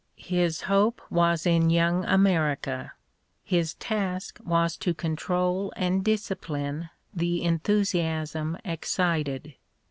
His hope was in young America ; his task was to control and discipline the enthusiasm excited.